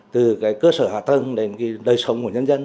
từ cơ sở hạ tầng đến đời sống của nhân dân